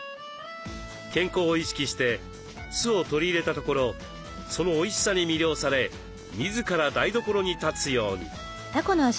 健康を意識して酢を取り入れたところそのおいしさに魅了され自ら台所に立つように。